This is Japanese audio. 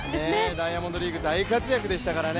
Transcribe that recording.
ダイヤモンドリーグ大活躍でしたからね。